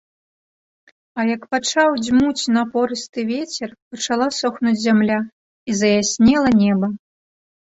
А як пачаў дзьмуць напорысты вецер, пачала сохнуць зямля і заяснела неба.